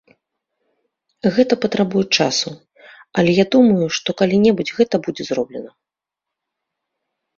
Гэта патрабуе часу, але я думаю, што калі-небудзь гэта будзе зроблена.